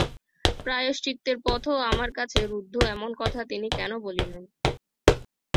প্রায়শ্চিত্তের পথও আমার কাছে রুদ্ধ এমন কথা তিনি কেন বলিলেন?